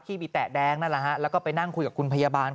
มีแตะแดงนั่นแหละฮะแล้วก็ไปนั่งคุยกับคุณพยาบาล